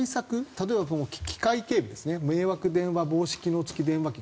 例えば、機械警備ですね迷惑電話防止機能付き電話器